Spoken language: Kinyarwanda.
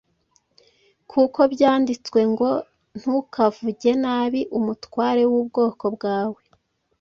kuko byanditswe ngo ‘Ntukavuge nabi umutware w’ubwoko bwawe.’